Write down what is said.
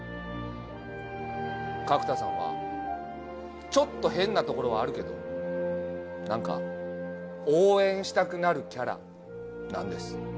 角田さんはちょっと変なところはあるけど何か応援したくなるキャラなんです。